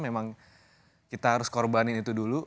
memang kita harus korbanin itu dulu